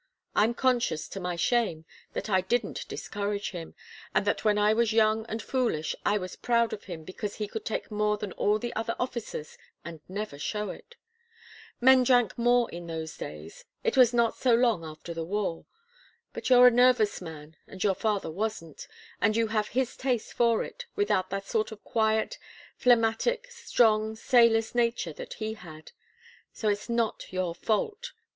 I'm conscious to my shame that I didn't discourage him, and that when I was young and foolish I was proud of him because he could take more than all the other officers and never show it. Men drank more in those days. It was not so long after the war. But you're a nervous man, and your father wasn't, and you have his taste for it without that sort of quiet, phlegmatic, strong, sailor's nature that he had. So it's not your fault.